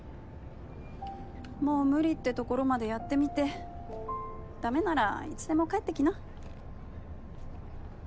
もう無理ってところまでやってみてダメならいつでも帰って来な。